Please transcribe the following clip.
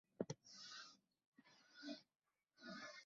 আমরা সৈকত পছন্দ করি।